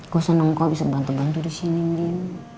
gue seneng kok bisa bantu bantu disini ndini